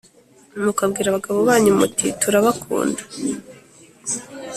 mukabwira abagabo banyu muti tura bakunda